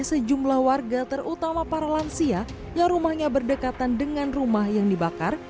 sejumlah warga terutama para lansia yang rumahnya berdekatan dengan rumah yang dibakar